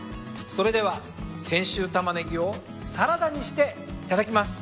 それでは泉州たまねぎをサラダにしていただきます。